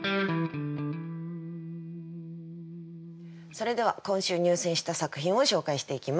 それでは今週入選した作品を紹介していきます。